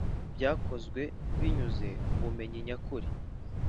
Byakozwe binyuze ku bumenyi nyakuri